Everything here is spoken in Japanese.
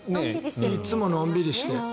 いつものんびりして。